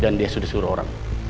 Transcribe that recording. dan dia sudah suruh orang